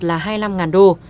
là hai mươi năm đô